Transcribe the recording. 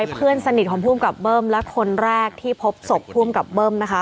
เพื่อนสนิทของภูมิกับเบิ้มและคนแรกที่พบศพภูมิกับเบิ้มนะคะ